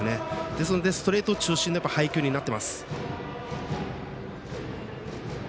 ですのでストレート中心の配球になっています。